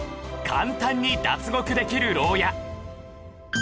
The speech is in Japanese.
簡単に脱獄できる牢屋